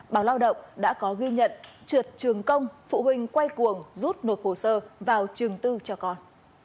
báo lao động đã có ghi nhận trượt trường công phụ huynh quay cuồng rút nộp hồ sơ vào trường tư cho con